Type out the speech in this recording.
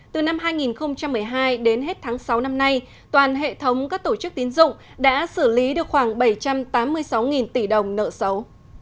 từ năm hai nghìn một mươi hai đến hết tháng sáu năm nay toàn hệ thống các tổ chức tín dụng đã xử lý được khoảng bảy trăm tám mươi sáu tỷ đồng nợ xấu